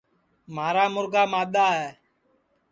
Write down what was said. مھارا مُرگا مادؔا ہے